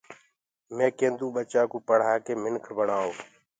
مي ڪينٚدو ٻچآ ڪو پڙهآ ڪي منک بڻآئو